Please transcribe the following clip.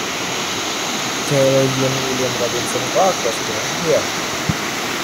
Theologian William Robinson Clark was born here.